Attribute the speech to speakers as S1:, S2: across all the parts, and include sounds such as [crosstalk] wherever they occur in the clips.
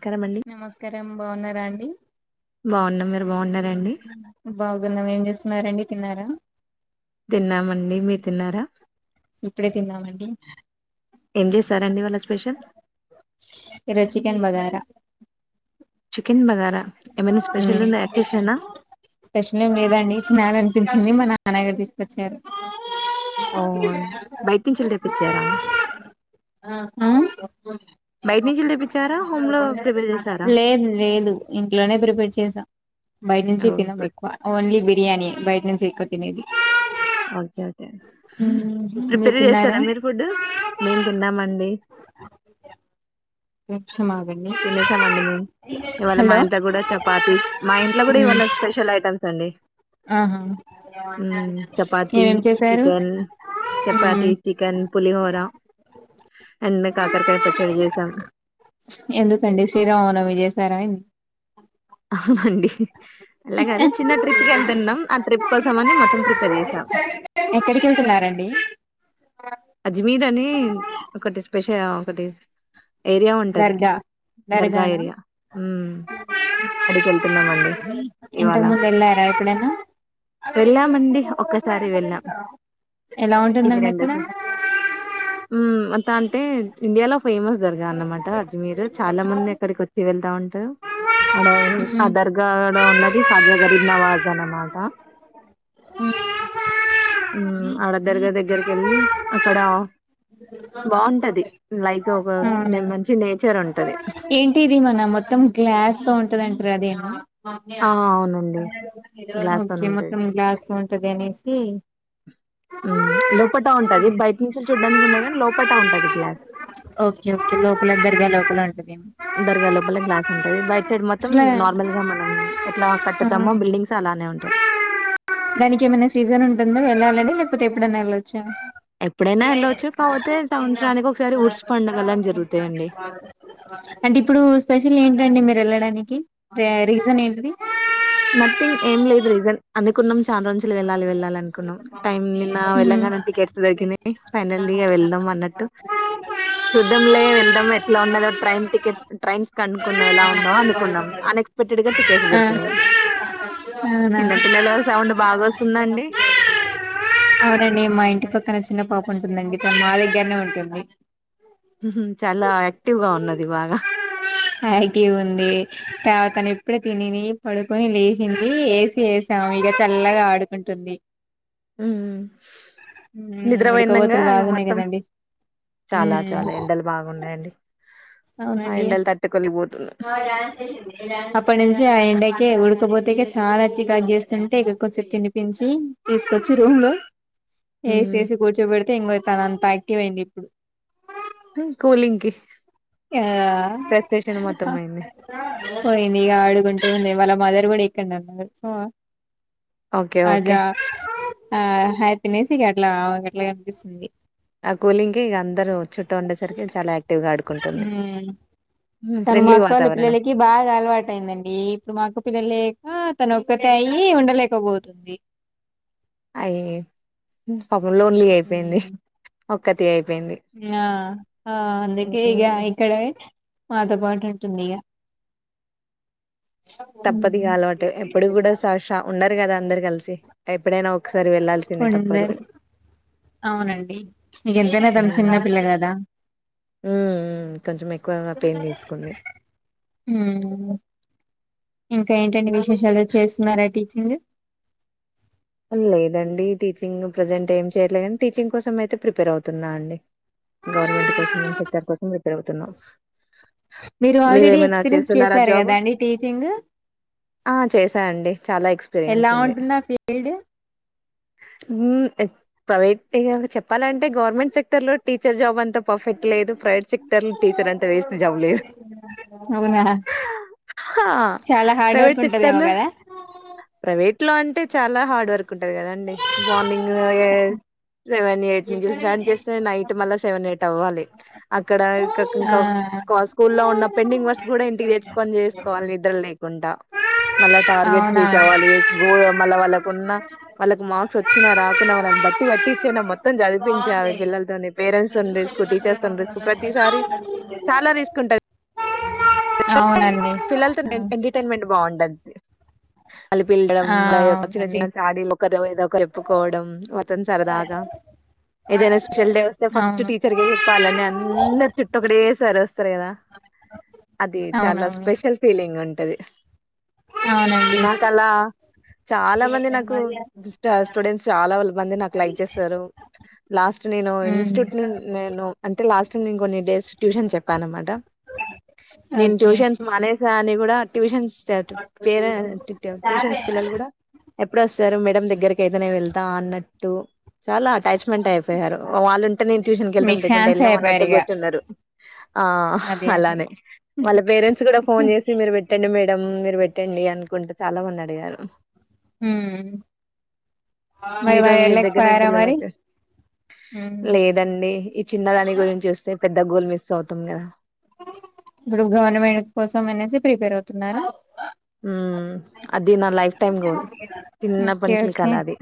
S1: నమస్కారం అండి
S2: నమస్కారం బాగున్నార అండి. హ్
S1: బాగున్నాం మేం
S2: బాగున్నం ఏం చేస్తున్నారండి. తీన్నారా
S1: తిన్నామండి మీరూ తిన్నారా
S2: ఇప్పుడే తిన్నామండి
S1: ఏం చేశారండి వాళ్ళ స్పెషల్
S2: ఇ రోజు చికెన్ బగరా
S1: బగరా
S2: స్పెషల్ ఏం లేదండి తినాల అనిపించింది. మన అన్నయ్య గారు తీసుకొచ్చారు.
S1: బయట నుంచేళ్ళి తెప్పించారా
S2: ఆ
S1: బయట నుంచేళ్ళి తెప్పించారా హోమ్ లో ప్రిపేర్ జెసారా
S2: లేదు లేదు ఇంట్లోనే ప్రిపేర్ చేసాం. బయట నుంచి
S1: ఓ
S2: తినం
S1: గుడ్
S2: ఎక్కువ ఓన్లీ బిర్యానీ యే బయ చేక తినేది
S1: ఓకే ఓకే
S2: ఉమ్, మీరు
S1: ప్రిపేర్
S2: తిన్నారా
S1: చేస్తారా మీరు ఫుడ్ మేము తిన్నామండి
S2: అ
S1: తినేసామండి మేము ఇవాళ మా
S2: హలో
S1: ఇంట్లో కూడా చపాతి మా ఇంట్లో కూడా
S2: ఉమ్
S1: ఇవాళ స్పెషల్ ఐటమ్స్ తనే
S2: ఆహా
S1: చపాతి
S2: ఏమేం చేశారు
S1: చికెన్
S2: ఉమ్
S1: చపాతి చికెన్ పులిహోర అండ్ కాకరకాయ పచ్చడి చేసాం
S2: ప్పండి శ్రీరా అన విజయసార అంది
S1: అవునండి అలాగద చిన్న ట్రిప్ కి వెళ్తున్నాం ఆ ట్రిప్ కోసం అని మొత్తం ప్రిపేర్ చేసాం
S2: ఎక్కడికి వెళ్తున్నారండి
S1: అజమీర్ అని ఒకటి స్పెష ఒకటి ఏరియా ఉంటది
S2: దర్గా
S1: దర్గా
S2: దర్గానా
S1: ఏరియా అడిక వెళ్తున్నామండి ఇవాళ
S2: ఇంతకు ముందు వెళ్ళారా ఎప్పుడైనా
S1: వెళ్ళామండి ఒక్కసారి వెళ్ళాం
S2: ఎలా
S1: ఇది
S2: ఉంటుందండి అక్కడ
S1: రెండో అంటే ఇండియాలో ఫేమస్ జరగా అన్నమాట అజమీరు చాలా మంది ఎక్కడికి వచ్చి వెతా ఉంట అ ఆ
S2: మ్మ్
S1: దర్గా ఉన్నది
S2: అవునా
S1: ఖాజా గరీబ్ నవాజ్ అ అన్నమాట ఆడ దర్గా దగ్గరికి వెళ్ళి అక్కడ బాగుంటది లైక్ ఒక మంచి నేచర్ ఉంటది
S2: ఏంటి ఇది మన మొత్తం గ్లాస్ త ఉంటదింటారు అదేమ మమ్
S1: ఆ అవునండి. గ్లాస్ తోని
S2: ఓకే మొత్తం గ్లా దనేసి
S1: లోపటా ఉంటది బయట నుంచి చూడ్డానికి ఉండ కాని లోపటా ఉంటది గ్లాస్
S2: ఇ లోకల ఉంటది
S1: దరగాలో గ్లాస్ ఉంటంది బై సైడ్ మొత్తం
S2: అసలా
S1: నార్మల్ గా మనం ఎట్లా
S2: ఆ
S1: కట్తామో బిల్డింగ్స్ అలానే ఉంటది
S2: వెళ్లం లేకపో ఎప్పుడైనా వెళ్వచ్చు
S1: ఎప్పుడైనా ఎళ్ళొచ్చు. కాపోతే సంవత్సరానికి ఒకసారి ఉర్స్ పండుగలని జరుగుతాయండి.
S2: అంటే ఇప్పుడు ఏంటండి మీరు వెళ్ళడానికి రీజన్ ఏంటిది
S1: నథింగ్ ఏం లేదు రీజన్ అందు నుకున్నాం చాలా రోజులు వెళ్ళాలి వెళ్ళాలి అనుకున్నాం
S2: ఆ
S1: టైం నిన్న
S2: అవునా
S1: వెళ్ళంగానే టికెట్స్ దొరికినాయి ఫైనల్గా వెళ్దాం అన్నట్టు చూద్దంలే వెళ్దాం ఎట్లా ఉన్నదో ట్రైన్ టికెట్ ట్రైన్స్ కనుకుం ఎలా ఉందో అనుకున్నాం అన్ ఎక్స్పెక్టెడ్ గా టికెట్స్ దొరికినాయి చిన్నపిల్లల సౌండ్ బాగా వస్తుందండి
S2: అవునండి మా ఇంటి పక్కన చిన్న పాప ఉంటుందండి త మాలగ్యరనే ఉంటుంది
S1: ఉహు, చాలా యాక్టివ్ గా ఉన్నది బాగా
S2: అగే ఉంది తర్వాతను ఎప్పుడు తనిని పడుకొని లేచింది వేసి వేసాము ఇక చల్లగా ఆడుకుంటుంది
S1: ఉమ్
S2: ఉమ్
S1: నిద్రబోయిందంగా
S2: ఉడకబోతులు
S1: ఇగ
S2: బాగున్నాయి
S1: మొత్తం
S2: కదండి
S1: చాలా
S2: ఉమ్
S1: చాలా ఎండలు బాగున్నాయండి. ఆ
S2: అవునండి
S1: ఎండలు తట్టుకోలేకపోతున్నాం
S2: అప్పటి నుంచి ఆ ఎండకే ఉడు క్కపోతేగ చాలా చికాక్ జేస్తుంటే ఇక కొస్సేప్ తినిపించి తీసుకొచ్చి రూమ్ లో ఎసేసి కూర్చొబెడ్ తే ఇంగ తనంత్యాక్టివయింది ఇప్పుడు
S1: ఉమ్ కోలింగ్ కి
S2: ఆ
S1: ఫ్రస్ట్రేషన్ మొత్తం అయింది
S2: పోయింది ఇగాడుకుంటూ ఉంది వాళ్ళ మదర్ గూడిక్కడ్నే ఉన్నరు.
S1: ఒకే ఒకే
S2: ఆ హ్యాపినెస్ ఇగ అట్ల గట్ల కనిపిస్తుంది
S1: అ కూలింగ్కి ఇగందరూ చుట్టు ఉండేసరికి చాలా యాక్ టివ్గాడుకుంటుంది
S2: తను మా అక్కోళ్ళ పిల్లలకి బాగ అలవాటైందండీ ఇప్పుడు మా అక్క పిల్లలే. ఆ తనొక్కతే అయ్యి ఉండలేకబోతుంది
S1: అయ్ ఉమ్ పాపం లోన్లీ గయిపోయింది ఒక్ క్కతి అయ్ప్
S2: ఉమ్ అ ఆ అందుకే ఇగ ఎక్కడ బొయ్. మాతో పాటుంటుందిగ.
S1: తప్పదిగ అలవాటు ఎప్పుడు గూడా స ష ఉండరు గదా. అందర్ గల్సి ఎప్పుడైన ఒ
S2: ఉండరు అవునండి నీకెంతైనా తను చిన్న పిల్ల గదా
S1: ఉమ్ కొంచెం ఎక్కువ పెయిన్ తీసుకుంది
S2: ఉమ్. ఇంకా ఏంటండి విశేషాలు చేస్తున్నారా టీచింగ్.
S1: లేదండి టీచింగ్ ప్రజెంటేమ్ చేయట్లేగాన్ టీచింగ్ కోసమయితే ప్రిపేర్ అవుతున్నా అండి గవర్నమెంట్ కోసం సెక్టార్ కోసం ప్రిపేరవుతున్నా.
S2: మీరు ఆల్రెడీ ఎక్స్పీరియన్స్
S1: చేస్తున్నారా
S2: చేసారు
S1: జాబ్
S2: గదా అండి టీచింగ్
S1: ఆ చేసా అండి చాలా ఎక్స్పీరియన్స్
S2: ఎలా
S1: ఉంది
S2: ఉంటుందా ఫీల్డు.
S1: ఉమ్ ఎ ప్రవేట్ ఇగ చెప్పాలంటే గవర్నమెంట్ సెక్టర్ లో టీచర్ జాబంత పఫెక్ట్ లేదు ప్రైయేట్ సెక్టర్ లో టీచరంత వేస్ట్ల్ జాబ్ లేదు
S2: అవునా
S1: హ
S2: చాలా హార్డ్ వర్క్
S1: ప్రవేట్
S2: ఉంటదేమో
S1: సెక్టార్లో
S2: కదా
S1: ప్రవేట్లో అ. ట్ చా ల హార్డ్ వర్ కుంటది కదండి బార్నింగు ఏ సెవెన్ ఎయిట్ నుంచిల్ స్టార్ట్ చేస్తే నైట్ మళ్ళ సెవెన్ ఎయిట్ అవ్వ వలి అక్కడ క క్ క్ కొ స్కూల్లో ఉన్న పెండింగ్
S2: ఆ
S1: వర్క్స్ కూడా ఇం
S2: అవునా
S1: న వాళ్ళకి మార్క్సొచ్చిన రాకున్న వాళ్ళని బట్టి పట్టిచ్చయిన మొత్తం చదివిపించాలి పిల్లలతోని పేరెంట్సుండి. ర టీచర్స్ త రిస్క్ ప్రతిసారి చాలా రిస్క్ ఉంటది
S2: అవునండి
S1: ఫిల్లల్తో ఎంటర్టైన్మెంట్ బాగుంటది కలిపిల్లడం
S2: ఆ
S1: యొక్క చిన్న
S2: అవునండి
S1: చిన్న చాడీలు ఒక ఏదో ఒకరు చెప్పుకోవడం వతని సారి దాగా ఏదైనా స్పెషల్ డే వస్తే ఫస్ట్
S2: అవును
S1: టీచర్క చెప్పాలని అందరు చుట్టూ ఒకడే సారి వస్తారు కదా అది చాలా
S2: అవునవును
S1: స్పెషల్ ఫీలింగ్ ఉంటది
S2: అవునండి
S1: నాకలా చాలా మంది నాకు స్టూడెంట్స్ చాలా మంది నాకు లైక్ చేస్తారు లాస్ట్ నేను
S2: ఉమ్
S1: ఇన్స్ట్యూట్ ను నేను అంటే లాస్ట్ నేను కొన్ని డేస్ ట్యూషన్ చెప్పానునమాట నేను
S2: ఓకే
S1: ట్యూషన్స్ మానేస కూడా ట్యూషన్ ట పేరే ట్యూషన్స్ పిల్లలు కూడా ఎప్పుడుొస్తారు మేడ దగ్గరకి అయితేనే వెళ్తా అన్నట్టు చాలా అటాచ్మెంట్ అయిపోయారు వాళ్ళు ఉంటే నేను ట్యూషన్కి
S2: మీకు
S1: వెళ్తాంంట లేకుంటే
S2: ఫ్యాన్స్
S1: వెళ్దాం అన్నతో
S2: అయిపోయారు ఇగ
S1: కూర్చున్నారు ఆ
S2: అదే అదే
S1: అలానే వాళ్ళ పేరెంట్స్ కూడా ఫోన్ చేసి మీరు పెట్టండి మే టందురూ పెట్టండి అనుకుంటూ చాలా మంది అడిగారు
S2: ఉమ్ మరి
S1: మీతో
S2: మరి
S1: మీ దగ్గరనే
S2: వెళ్ళకపోయారా మరి
S1: పిల్లలకే
S2: ఉమ్
S1: లేదండి ఈ చిన్న దాని గురించి చూస్తే పెద్ద గోల్ మిస్ అవుతుంది కదా
S2: ఇప్పుడు గవర్నమెంట్ కోసం అనేసి ప్రిపేర్ అవుతున్నారా
S1: ఉమ్, అది నా లైఫ్ టైమ్ గోల్ చిన్నప్పటి
S2: ఓకే
S1: నుంచి
S2: ఓకే
S1: కల అది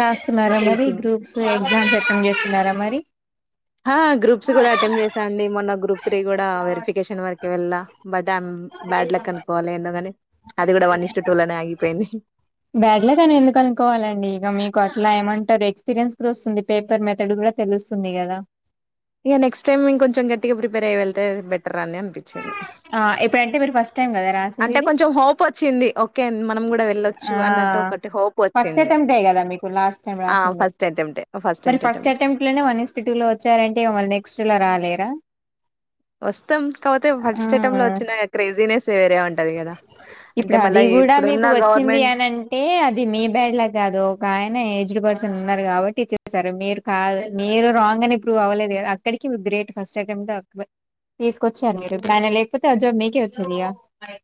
S2: రాస్తున్నారా మరి
S1: టీచింగ్
S2: గ్రూప్స్ ఎగ్జామ్స్ అటెంప్ట్ చేస్తున్నారా మరి
S1: ఆ గ్రూప్స్ కూడా అటెంప్ట్ చేసా అండి మొన్న త్రీ కూడా వెరిఫికేషన్ వరక్ కి వెళ్ళా బట్ అమ్ బ్యాడ్ లక్ అనుకోవాలి ఎందుకని అది కూడా వన్ ఈస్టూ టూ లోనే ఆగిపోయింది
S2: బ్యాడ్ లక్ అని ఎందుకు అనుకోవాలండి ఇక మీకు అట్లా ఏమన్ పది ఎక్స్పీరియన్స్ కూడా వస్తుంది పేపర్ మెథడ్ కూడా తెలుస్తుంది కదా
S1: ఇక నెక్స్ట్ టైమ్ ఇంకొంచం గట్టిగా ప్రిపేర్ అయ్యి వెళ్తే బెటర్ అని పిచ్చింది
S2: అంటే మీరు ఫస్ టైమ్ కదా రాసింది ఇది
S1: వచ్చింది ఓకే మనం కూడా
S2: ఆ
S1: వెళ్ళొచ్చు అన్నట్టు ఒకటి హోప్
S2: ఫస్ట్
S1: వచ్చింది
S2: అటెంప్ట్ ఏ కదా మీకు లాస్ట్ టైం
S1: ఆ
S2: రాసింది
S1: ఫస్ట్ అటెంప్ట్
S2: మరి
S1: అటెంప్ట్
S2: ఫస్ట్ అటెంప్ట్ లోనే వన్ ఎస్ టూ లో వచ్చారంటే మళ్ళి నెక్స్ట్ లో రాలేరా
S1: వస్తం కాకపోతే ఫస్ట్ అటెంప్ట్లో
S2: ఆ
S1: వచ్చిందని క్రేజీనెస్ వేరే ఉంటది కదా అంటే
S2: ఇప్పుడు
S1: మళ్ళా
S2: అది కూడా
S1: ఇప్పుడున్న
S2: మీకు వచ్చింది
S1: గవర్నమెంట్
S2: అనంటే అది మీ బేడ్లక్ కాదు ఒక ఆయన ఏజ్డ్ పర్ అస ఉన్నారు కాబట్టి చేసారు మీరు కా మీరు రాంగ్ అని ప్రూవ్ అవ్వలేదు కదా అక్కడికి మీరు గ్రేట్ ఫస్ట్ అటెంప్ట్ తీసుకొచ్చారు మీరు ఆయన లేకపోతే అ జాబ్ మీకే వచ్చేది గ అ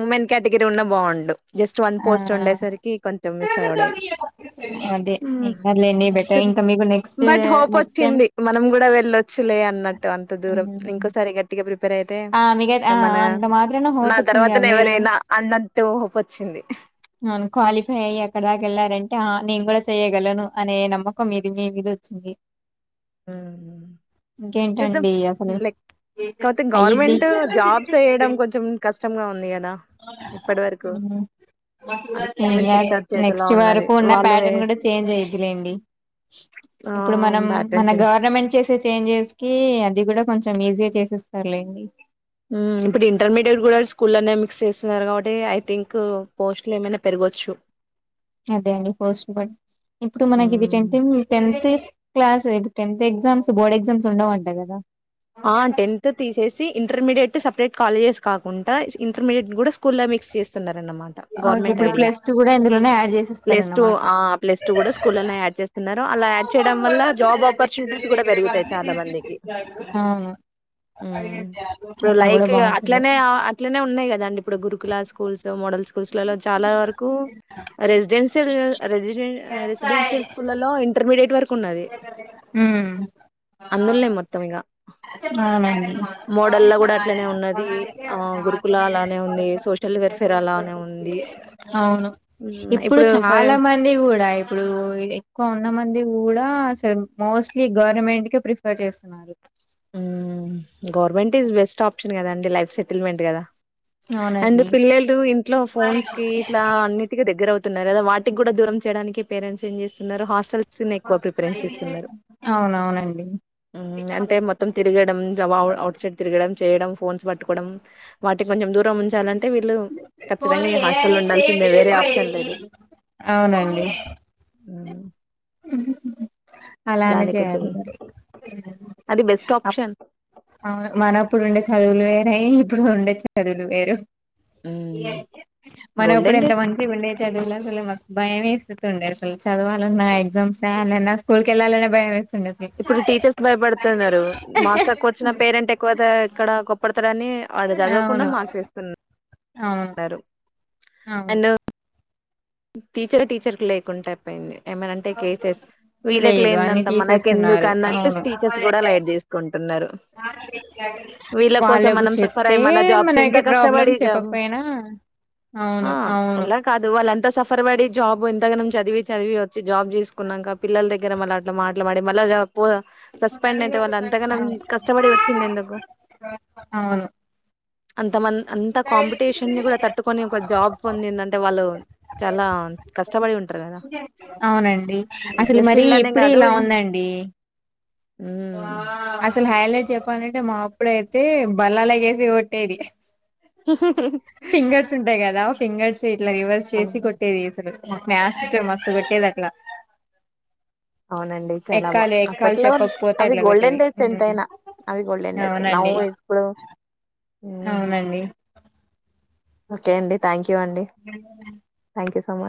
S1: వుమెన్ కేటగిరీ దగ్గర ఉన్న బాగుండు జస్ట్ వన్
S2: ఆ
S1: పోస్ట్ ఉండేసరికి కొంచెం మిస్ అయడ
S2: అదే ఏం కాదులేండి బెటర్ ఇంకా మీకు next
S1: but hope
S2: next time
S1: వచ్చింది మనం కూడా వెళ్ళొచ్చులే అన్నట్టు అంత దూరం ఇంకోసారి గట్టిగా ప్రిపేర్
S2: ఆ మీగ ఆ అంత మాత్రన
S1: నా
S2: హోప్ వచ్చింది మీరు
S1: తర్వాతనెవరైనా అన్నంత హోపొచ్చింది.
S2: క్వాలిఫై అయి అక్కడ దాకా వెళ్ళారంటే నేను కూడా చెయ్యగలను అనే నమ్మకం మీది మీ మీద వచ్చింది
S1: హ్మ్. చూద్దాం.
S2: ఇంకేంటండి అసలు
S1: లేకపోతే
S2: అయ్యిద్ది
S1: గవర్నమెంట్ జాబ్స్ వేయడం కొంచెం కష్టంగా ఉంది కదా ఇప్పటి వరకు అది [unintelligible]
S2: ఇంగా
S1: సెక్టర్ చేతిలో
S2: నెక్స్ట్
S1: ఉన్నది
S2: వరకు ఉన్న
S1: వాళ్ళు
S2: ప్యాటర్న్ కూడా
S1: వేస్తే
S2: చేంజ్ అయ్యిద్దిలేండి ఇప్పుడు మనం
S1: వాటిలో
S2: మన గవర్నమెంట్ చేసే చేంజెస్ కి అది కూడా కొంచె ఈజీ చేసస్తే సరే లెండి
S1: ఇప్పుడు ఇంటర్మీడియట్ కూడా స్కూల్ అనే మిక్స్ చేస్తున్నారు కాబట్టి ఐ థింక్ పోస్ట్లు ఏమైనా పెరగొచ్చు
S2: అదే అండి ఫస్ట్ బ ఇప్పుడు మనకి ఇది ట
S1: హ్మ్.
S2: టెన్త్ క్లాస్ అ టెన్త్ ఎగ్జామ్స్ బోర్డ్ ఎగ్జామ్స్ ఉండవు అంట కథ
S1: ఆ టెన్త్ తీసేసి ఇంటర్మీడియట్ సపరేట్ కాలేజెస్ కాకుండా ఇంటర్మీడియట్ కూడా స్కూల్ మిక్స్ చేస్తున్నారు మా
S2: ఓకే
S1: గవర్నమెంట్
S2: ఇప్పుడు
S1: ఐడియా
S2: ప్లస్ టూ కూడా ఇందులోనే యాడ్
S1: ప్లస్ ట
S2: చేసేస్తారన్నమాట
S1: ప్లస్ టూ కూడా స్కూల్ యాడ్ చేస్తున్నారు అలా యాడ్ చేయడం వల్ల జాబ్ ఆపర్చునిటీస్ కూడా పెరుగుతాయి చాలా మందికి
S2: అవును
S1: మ్మ్ ఇప్పుడు
S2: అలా కూడా
S1: లైక్
S2: బాగుంటుంది
S1: అట్లనే అట్లనే ఉన్నాయి కదాండి ఇప్పుడు గురుకుల స్కూల్స్ మోడల్స్ పురుషులలో చాలా వరకు రెసిడెన్ రెసిడెన్షయల్ స్కూల్లో ఇంటర్మీడియట్ వర న్నది అందులోలే మొత్తం ఇక
S2: అవునండి
S1: మోడల్‌లా గూడా అట్లనే ఉన్నది. ఆహ్, గురుకుల అలానే ఉంది. సోషల్ వెల్‌ఫేర్ అలానే ఉంది.
S2: అవును
S1: హ్మ్.
S2: ఇప్పుడు
S1: ఫై
S2: చాలా మంది కూడా ఇప్పుడు ఎక్కువ ఉన్న మంది కూడా అసలు మోస్ట్లీ గవర్నమెంట్ కి ప్రిఫర్ చేస్తున్నారు
S1: మ్మ్ గవర్మెంట్ ఈస్ బెస్ట్ ఆప్షన్ కథ అండి లైక్ సెటిల్మెంట్ కదా అండ్
S2: అవునండి
S1: పిల్లలు ఇంట్లో ఫోన్స్ కి ఇట్లా అన్నిటిక దగ్గర అవుత న్నారు అదా వాటికి కూడా దూరం చేయడానికి పేరెంట్స్ పే చేస్తున్నారు హాస్టల్ కి ఎక్కువ ప్రిఫరెన్స్ ఇస్తున్నారు
S2: అవునవునండి
S1: అంటే మ తిడం అట్ సైడ్ తిరగడం చేయ ఫోన్స్ పట్టుకోవడం వాటి కొంచం దూరం ఉంచాలంట ఉండాల్సిందే. వేరే ఆప్షన్ లేదు.
S2: అవునండి
S1: మ్మ్
S2: ఉ హు హు అలానే
S1: కొంచెం
S2: చేయాలి మరి
S1: అది బెస్ట్ ఆప్షన్
S2: మనప్పుడు ఉండే చదువులు వేరే ఇప్పుడు ఉండే చదువులు వేరు
S1: ఉమ్
S2: మనప్పుడు
S1: గోల్డెన్
S2: ఎంత
S1: డేస్
S2: మంచి వినెటోలు చాలుల్స్తు భయం వేస్తుతు ఉండే అసలు చదవాలన్నా ఎగ్జామ్స్ రాయాలినా స్కూల్కిళాల బాయం వెస్
S1: ఇప్పుడు టీచర్స్ భయపడుతున్నారు మార్క్స్ తక్కువ వచ్చిన పేరెంట్ ఎక్కువ ఇక్కడ కొప్పడతాడాని వాడు చదవకుండా
S2: అవును
S1: మార్క్స్ ఇస్తున్నా
S2: అవును అవును
S1: అండ్ టీచర్ టీచర్ కు లేకుండా అయిపోయింది ఏమన్నాంటే కేసెస్ వీళ్ళకి
S2: లేదు అన్ని
S1: లేనంత మనకి
S2: తీసేస్తున్నారు
S1: ఎందుకున్నట్టు
S2: అవును
S1: టీచర్స్ కూడా లైట్ తీసుకుంటున్నారు వీళ్ళ కోసం
S2: వాళ్ళకు
S1: మనం సఫర్ అయి
S2: చెప్తే
S1: మన జాబ్స్ ఇంత
S2: మనకి ప్రాబ్లం
S1: కష్టపడి జాబ్
S2: చెప్పకపోయినా
S1: ఆ
S2: అవును అవును
S1: అలా కాదు వాళ సఫర్ పడి జాబ్ ఎంతగనం చదివి చదివి వచ్చి జాబ్ చేసుకున్నాక పిలల్ల దగ్గర మళ్ళ అట్లా మాటలు పడి మళ్ళా జాబ్ పోదం కష్టపడి వచ్చింది ఎందుకు
S2: అవును
S1: అంత మం అంత కాంపిటీషన్ కూడా తట్టుకొని ఒక జాబ్ పొందిందంటే వాళ్ళు చాలా కష్టపడి ఉంటారు కదా
S2: అవునండి అసలు
S1: టీచర్
S2: మరి
S1: ఫీల్డ్ అనే
S2: ఇప్పుడె
S1: కాదు
S2: ఇలా ఉందండి
S1: ఉమ్
S2: అసలు హైలెట్ చెప్పాలంటే మా అప్పుడు అయితే బల్లాలగేసి కొట్టేది ఫింగర్స్ ఉంటాయి కదా ఫింగర్స్ ఇలా రివర్స్
S1: అవును
S2: చేసి కొట్టేది అసలు మ్యాస్ టీచర్ మస్తు కొట్టేది అట్లా
S1: అవునండి చాలా బా
S2: ఎక్కాలి ఎక్కాలి
S1: అప్పట్లో
S2: చెప్పకపోతే
S1: అవి
S2: అట్లా కొట్టేది
S1: గోల్డెన్ డేస్
S2: ఉమ్,
S1: ఎంతైయినా అవి గోల్డెన్ డేస్ నవ్
S2: అవునండి
S1: ఇప్పుడు హ్మ్.
S2: అవునండి
S1: ఓకే అండి థ్యాక్ యూ అండి థ్యాంక్ యూ సో మచ్